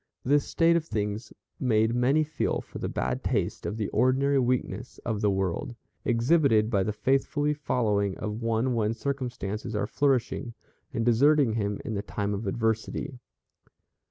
This state of things made many feel for the bad taste of the ordinary weakness of the world, exhibited by the faithfully following of one when circumstances are flourishing, and deserting him in the time of adversity.